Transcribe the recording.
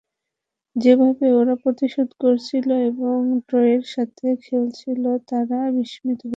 যেভাবে ওরা প্রতিরোধ গড়েছিল এবং ড্রয়ের জন্য খেলছিল, আমরা বিস্মিত হয়েছিলাম।